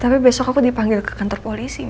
tapi besok aku dipanggil ke kantor polis ya